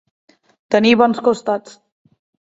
Tenir bons costats.